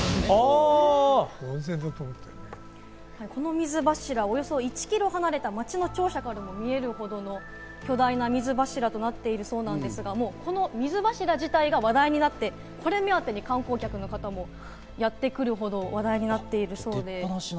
この水柱、およそ１キロ離れた町の庁舎からも見えるほどの巨大な水柱となっているそうなんですが、この水柱自体が話題になって、これ目当てに観光客の方もやってくるほど話題になっているそうで。